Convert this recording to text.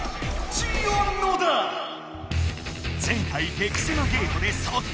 前回激せまゲートでそっ